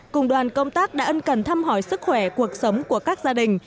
cùng đoàn công tác đã ân cần thăm hỏi sức khỏe cuộc sống của các gia đình